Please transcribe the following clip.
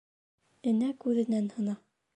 Энә күҙенән һына